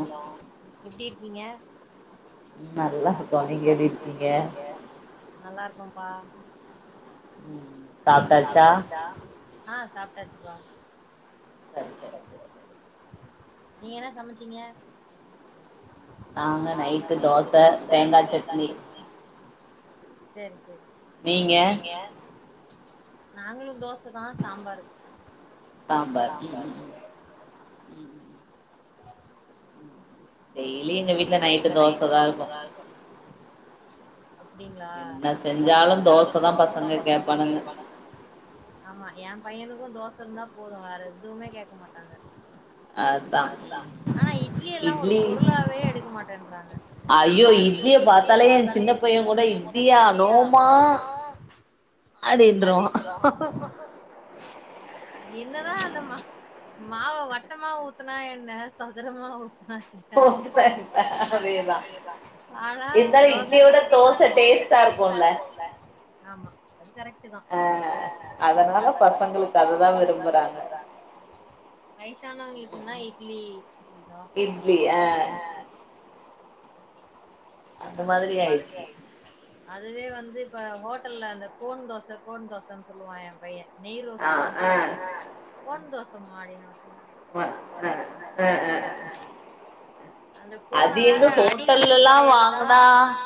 hello எப்டி இருக்கீங்க நல்லா இருக்கோ நீங்க எப்டி இருக்கீங்க நல்லா இருக் கோங்ப்பா உம் உம் சாப்டாச்சா ஆஹ் சாப் டாச்சு பா சரி சரி சரி நீங்க என்ன சமைச்சீங்க நங்க நைட்டு தோச தேங்கா சட்னி செரி செரி நீங்க நாங்களு தோச தா சாம்பரு சாம்பார் உம் உம் உம் உம் உம் உம் டெய்லி எங்க வீட்ல நைட்டு தோசதா இருக்கு அப்டிங்களா என்ன செஞ்சாலு தோச தா பசங்க கேப்பாங்கன்னு ஆமா என் பையனுக்கு தோச இருந்தா போது வேற எதுவுமே கேட்க மாட்டாங்க அதா இட்லி பொருளாவே எடுக்க மாட்டேன்றாங்க ஐயோ இட்லிய பாத்தாலே என் சின்ன பையன் கூட இட்லிய நோமா அப்டின்றுவ அது என்னதா அந்த மா மாவ வட்ட மா ஊத்துனா என்ன சதுரமா ஊத்துனா எ [unintelligible] அதேதா இருந்தாலு இட்லியோட தோச டேஸ்டா இருக்கும்ல ஆஹ் அதனால பசங்களுக்கு அததா விரும்பறாங்க வயசனவங்களுக்குன்னா இட்லி இட்லி இட்லி ஆ அந்த மாதிரி ஆயிடுச்சு அதுவே வந்து இப்ப ஹோட்டல்ல அந்த கோன் தோச கோன் தோசன்னு சொல்லுவா எ பையன் நெய் ரோஸ்ட்ட வந்து கோன் தோச மா அப்படிபா ஆ அ அ அது எங்க ஹோட்டல்லல்லா வாங்கனா நா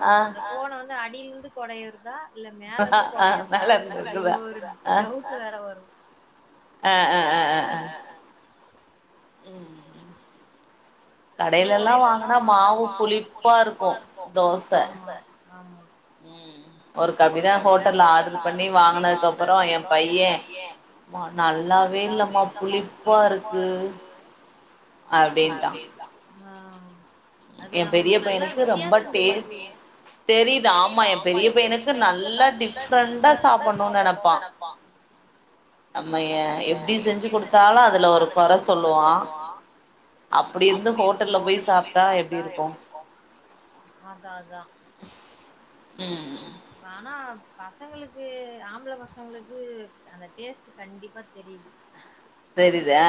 ஆமா அந்த கோன்ன வந்து அடி இருந்து கொடையிறதா இல்ல மேல இருந்து கொடையிறதா அப்படின்னு ஒரு டவுட் வேற வரும் ஆ அ போய் கடைல்லா வாங்கனா மாவு புளிப்பா இருக்கு தோச ஆமா உம் ஒரு க அப்படிதா ஹோட்டல்ல ஆர்டரு பண்ணி வாங்கனதுக்கு அப்புறம் எ பைய நல்லாவே இல்லம்மா புளிப்பா இருக்கு அப்படின்ட்டா ஆ எ பெரிய பையனுக்கு ரொம்ப டேர் தெரியுதா ஆமா எ பெரிய பையனுக்கு நல்ல டிப்ரெண்டா சாப்பிடணு நினைப்பா நம்ம எப்படி செஞ்சு கொடுத்தாலு அதுல ஒரு கோர சொல்லுவா அப்படி இருந்து ஹோட்டல்ல போய் சா தா எப்படி இருக்கு அதா அதா உம் உம் ஆனா பசங்களுக்கு ஆம்ள பசங்களுக்கு அந்த டேஸ்ட் கண்டிப்பா தெரியு பெரிது அ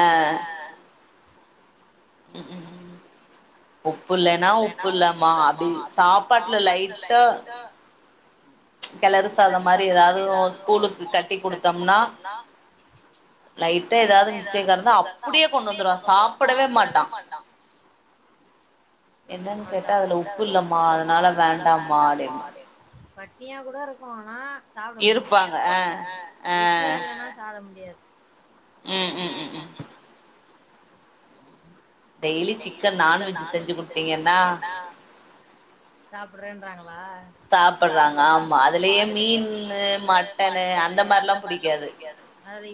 உப்பு இல்லன்னா உப்பு இல்லாமமா அப்படி சாப்பாட்டுல லைட்டா கிளறு சாதம் மாரி ஏதாவது ஸ்கூலுக்கு கட்டி கொடுத்தோம்னா லைட்டா ஏதாவது மிஸ்டேக்கா இருந்தா அப்படியே கொண்டு வந்துருவா சாப்பிடவே மாட்டா என்னன்னு கேட்டா அதுல உப்பு இல்லமா அதனால வேண்டாமா அப்படிமா பட்னியா கூட இருக்கு ஆனா சாப்ட முடியாது ருசியாருந்தானா சாப்ட முடி யாது ம் ம் ம் ம் டெய்லி சிக்கன் நான்வெஜ் செஞ்சு குடுத்திங்கன்னா சாப்படறேன்றாங்க ளா அதுல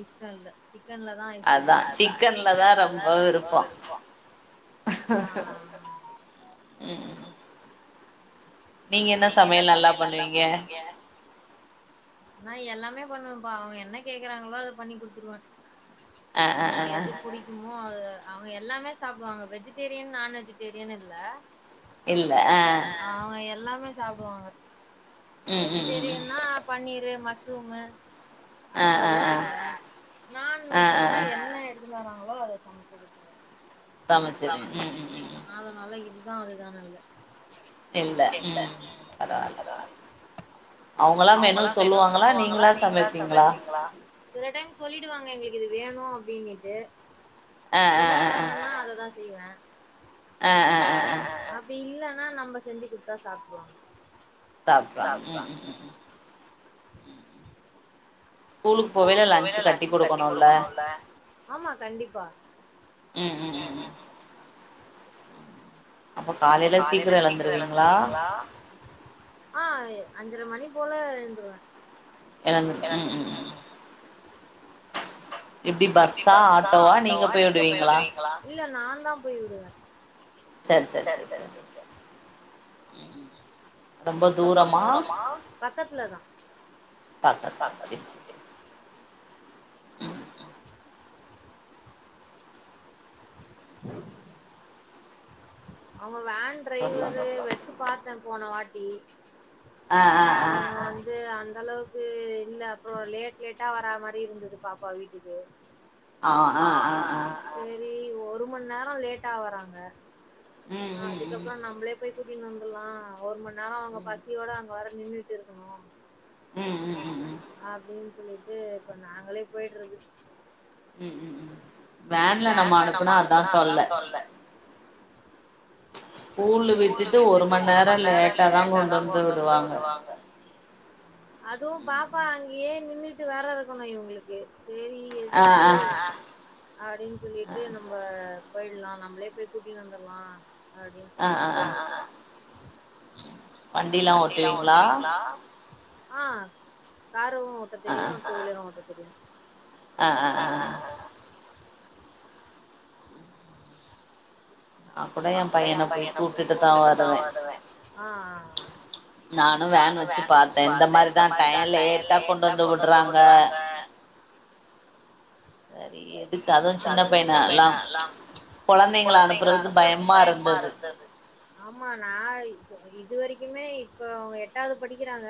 இஷ்ட இல்ல சிக்கன்லதா இஷ்டமா இருக்கு ஆ நா எல்லாமே பண்ணுவம்ப்பா அவங்க என்ன கேக்கறாங்களோ அத பண்ணி குடுத்துருவே அவங்களுக்கு எது புடிக்குமோ அது அவங்க எல்லாமே சாப்டுவாங்க வெஜிடேரியன் நான் வெஜிடேரியன் இல்ல அவங்க எல்லாமே சாப்டுவாங்க வெஜிடேரியன்னா பன்னீர் ரு மஸ்ரூமு அதுல ஊத்திக்குவ நான்வெஜ்னா என்ன எடுத்துட் வராங்ளோ அத சமைச்சு குடுத்துருவ அதனால இது தா அதுதான் இல்ல இல்ல ம் பரவல சில டைம் சொல்லிடுவாங்க எங்களுக்கு இது வேணு அப்டினுட்டு உருள கெழங்குனா அததா செய்வ அ அ அ அ னா நம்ப செஞ்சு குடுத்தா சாப்ட்ருவாங்க சாப்ட்ருவாங் ம் ம் ம் ஸ்கூலுக்கு போவைல லன்ச் கட்டி குடுக்ணு இல்ல ஆமா கண்டிப்பா ம் ம் ம் ஆ அஞ் சர மணி போல எழுந்துருவ எழுந்து ம் ம் ம் இல்ல நா ந்தா போய் விடுவே சர் சர் சர் சர் ம் பக்கத்துல தா பக்கத்ல சேர் சேர் சேர் உங்க வேன் டிரைவரு வச்சு பாத்தேன் போன வாட்டி ஏ ங்க வந்து அந்த அளவுக்கு து இல்ல அப்றோம் லேட் லேட்டா வரா மாரி இருந்தது பாப்பா வீட்டுக்கு செரி ஒரு மண்நேரம் லேட்டா ஆ வறாங்க ஹ் அதுக்கப்புறம் நம்மளே போய் கூட்டிட்டு வந்தலா ஒரு மண் ன்நேரம் அவங்க பசியோட அங்க வர நின்னுட்டு இருக்கணோ உம் உம் உம் உம் து இப்ப நாங்களே போய்டுறது உம் உம் உம் வேன்ல நம்ம அனுப்புனா அதான் தொல்ல ஸ்கூல்லு விட்டுட்டு ஒரு மணி நேரம் லேட்டாதான் கொண்டு வந்து விடுவாங்க அதுவும் பாப்பா அங்கயே நின்னுட்டு வேற இருக்கணும் இவுங்ளுக்கு செரி எதுக்கு அப்டின்னு சொல்லிட்டு நம்ப போயிடலா நம்மளே போய் கூட்டிட்டு வந்தடலாம் ஹ ஹா ஹ வண்டியேலாம் ஓட்டுவீங்களா ஆஹ் காரும் ஓட்ட தெரியும் டூ வீலரும் ஓட்டத் சரியா ஆஹ் ஆஹ் ஆஹ்ஹ அ கூட என் பையன போய் கூட்டுட்டு தான் வருவேன் நானும் வேன் வச்சு பார்த்தேன் இந்த மாரிதான் டையம் லேட்டா கொண்டு வந்து விடுறாங்க சரி எதுக்கு அதுவும் சின்ன பையன அல்லாம் குழந்தைங்கல அனுப்புறதுக்கு பயமா இருந்தது இது வரைக்குமே இப்ப அவுங்க எட்டாவது படிக்கிறாங்க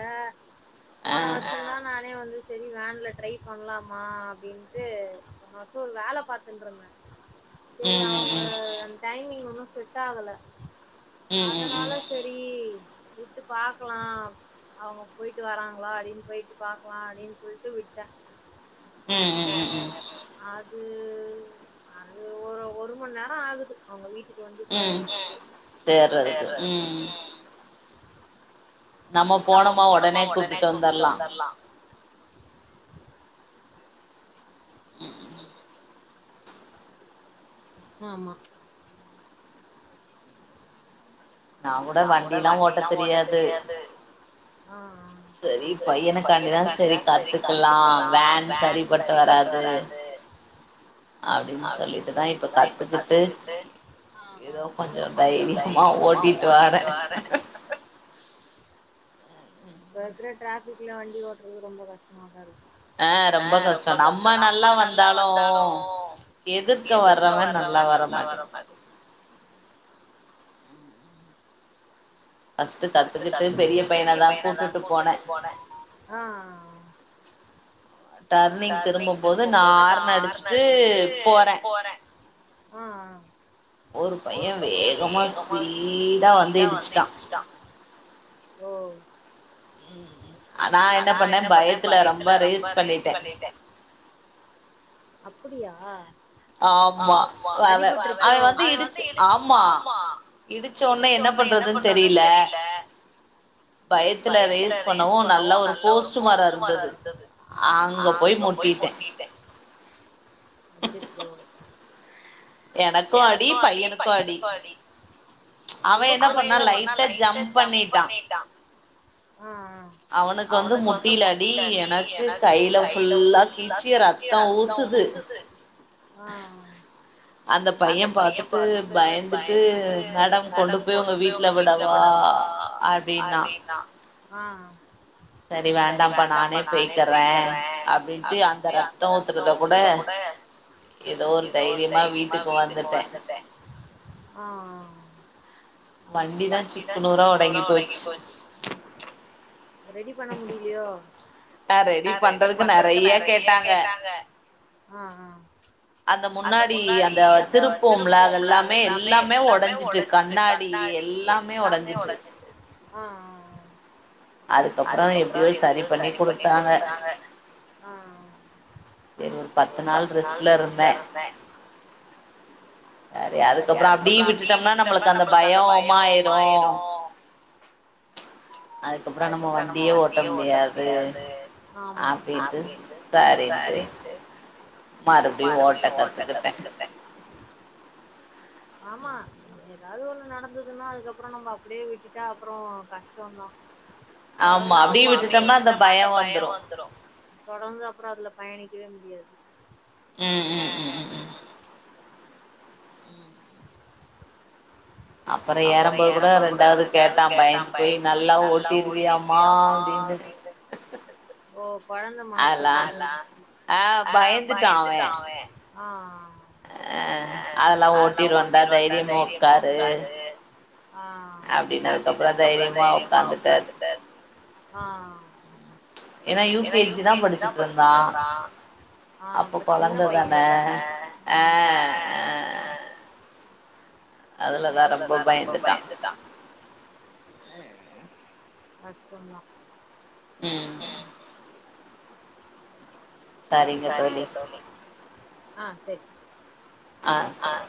போன வர்ஷோ தா நானே வந்து சரி வேன்ல ட்ரை பண்ணலாமா அப்டின்ட்டு [unintelligible] ஒரு வேல பாத்துட்டுன்றுந்தென் செரி அவுங்க டைமிங் ஒன்னும் செட்டாகல அதனால சரி விட்டு பாக்கலாம் அவங்க போய்ட்டு வராங்களா அப்டின்னு போய்ட்டு பாக்கலாம் அப்டின்னு சொல்ட்டு விட்டேன் ம் ம் ம் உம் அது அது ஒரு ஒரு மணி நேரம் ஆகுது அவங்க வீட்டுக் கு வந்து சேரதுக்கு நம்ம போனோமா உடனே கூப்டுட்டு வந்துரலாம் ஆமா நான் கூட வண்டிலாம் ஓட்ட தெரியாது சரி பையனைக்காண்டிதான் சரி கத்துக்கலாம் வேன் சரிபட்டு வராது அப்டின்னு சொல்லிட்டுதான் இப்ப கத்துக்கிட்டு ஏதோ கொஞ்சம் தைரியமா ஓட்டிட்டு வா ஓட்டிட்டு வாற இப்ப இருக்கிற டிராபிக்ல வண்டி ஓட்டுறது ரொம்ப கஷ்டமாதா இருக் ஆஹ் ரொம்ப கஷ்டம் நம்ம நல்லா வந்தாலும் எதிர்க்க வர்றவன் நல்லா வரமாட்டு ஆஹ் டர்னிங் திரும்பும் போது நான் ஆறணு அடிச்சுட்டு போறன் ஆஹ் ஆஹ் ஒரு பையன் வேகமா ஸ்பீடா வந்து இடிச்சிட்டான் ஹோ உம் உம் அப்படியா அடி பட்ருச்சோ அச்சச்சோ ரொம்ப பெருசோ ஆ ஆ ஆஹ் அந்த பையன் பாத்துட்டு பயந்துட்டு மேடம் கொண்டு போய் உங்க வீட்ல விடவா அப்படின்னா ஆஹ் சரி வேண்டாம்ப்பா நானே பேய்கறேன் அப்படின்ட்டு அந்த ரத்தம் ஊத்துறத கூட ஏதோ ஒரு தைரியமா வீட்டு ஆஹ் ஆஹ் வண்டிதான் சுக்கு நூறா உடங்கி போச்சு ரெடி பண்ண முடியலையோ ஹா ஹா முண்ணாடி அந்த திருப்போம்ல அதெல்லாமே எல்லாமே உடைஞ்சிட்டு கண்ணாடி எல்லாமே உடஞ்சிட்டு ஆஹ் ஆஹ் அதுக்கப்புறோ எப்டியோ சரி பண்ணி குடுத்தாங்க ஒரு பத்து நாள் ரெஸ்ட்ல இருந்தே சரி அதுக்கப்புறோ அப்டியே விட்டுட்டோம்னா நம்மளுக்கு அந்த பயோம்மாயிரு அதுக்கப்புறோ நம்ம வண்டியே ஓட்ட முடியாது அப்டின்ட்டு செரின்ட்டு மறுபடியு ஓட்ட கத்துக்கிட்டே ஆமா ஏதாவது ஒண்ணு நடந்ததுன்னா அதுக்கப்புறோ நம்ம அப்படியே விட்டுட்டா அப்புறோ கஷ்டோதா தொடர்ந்து தொடர்ந்து அப்பறோ அதுல பயணிக் ஏன் முடியாது உம் உம் உம் உம் உம் அப்புறோ ஏறும் போது கூட ரெண்டாவது கேட்டா பயந்துப் போய் நல்லா ஓட்டிருவியமா அப்டின்னு அதல்ல ஆஹ் பயந்துட்டா அவே ஆஹ் அஹ் அதெல்லாம் ஓட்டிரு வேண்டா தைரியமா உக்காரு தத்து அப்படினதுக்கப்பறோ தைரியமா உக்காந்துடாரு ஆஹ் ஏன்னா யூ கே ஜி தான் படிச்சட்டுருந்தா அப்போ கெழந்த தான அஹ் அஹ் அதுலதா ரொம்ப பயந்துட்டா ம் கஷ்டோந்தா உம் சரிங்க தோழி ஆஹ் சரி ஆஹ் சரி